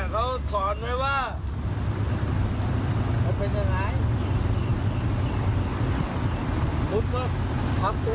โหทำไมต้องไหวถูกฟักอยู่แล้ว